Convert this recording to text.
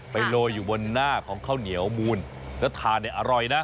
โรยอยู่บนหน้าของข้าวเหนียวมูลแล้วทานเนี่ยอร่อยนะ